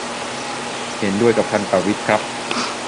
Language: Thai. เห็นด้วยกับท่านประวิตรครับ